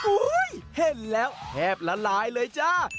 เห็นแล้วแทบละลายเลยจ้า